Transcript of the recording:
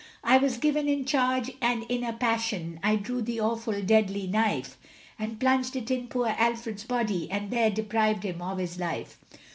I was given in charge, and in a passion, I drew the awful, deadly knife, And plunged it in poor Alfred's body, And there deprived him of his life.